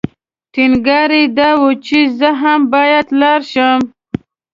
ټینګار یې دا و چې زه هم باید لاړ شم.